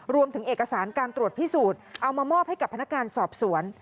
รวมถึงเอกสารการตรวจพิสูจน์เอามามอบให้กับพนักงานสอบสวน